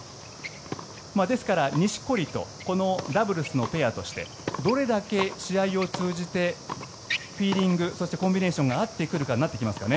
ですから錦織とこのダブルスのペアとしてどれだけ試合を通じてフィーリングそして、コンビネーションが合ってくるかになってきますかね。